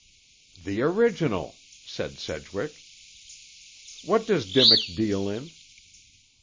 "The original!" said Sedgwick. "What does Dimmock deal in?"